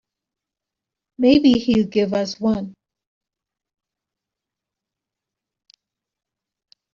Maybe he'll give us one.